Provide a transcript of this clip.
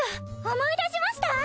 思い出しましたぁ？